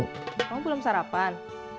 kamu belum sarapan